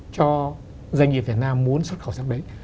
cho doanh nghiệp việt nam muốn xuất khẩu sang đấy